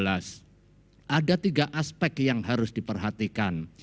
ada tiga aspek yang harus diperhatikan